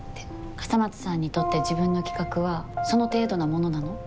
笠松さんにとって自分の企画はその程度なものなの？